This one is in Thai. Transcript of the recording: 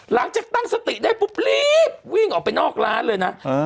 หลังจากตั้งสติได้ปุ๊บรีบวิ่งออกไปนอกร้านเลยนะ